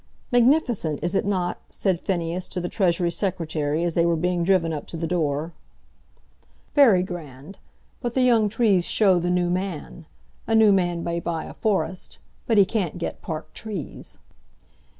"Magnificent; is it not?" said Phineas to the Treasury Secretary, as they were being driven up to the door. "Very grand; but the young trees show the new man. A new man may buy a forest; but he can't get park trees."